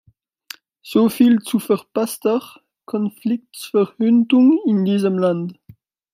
Soviel zu verpasster Konfliktverhütung in diesem Land!